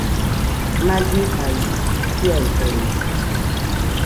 Mallifai chiaforede